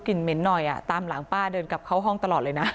เหม็นหน่อยตามหลังป้าเดินกลับเข้าห้องตลอดเลยนะ